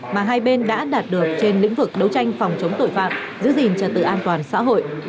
mà hai bên đã đạt được trên lĩnh vực đấu tranh phòng chống tội phạm giữ gìn trật tự an toàn xã hội